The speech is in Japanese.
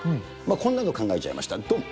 こんなの考えちゃいました、どん！